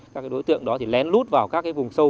các đối tượng đó thì lén lút vào các vùng sâu